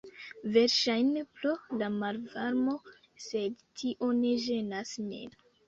Verŝajne pro la malvarmo, sed tio ne ĝenas min.